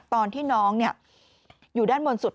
ตอนที่น้องอยู่ด้านบนสุด